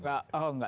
oh nggak biasanya